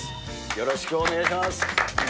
よろしくお願いします。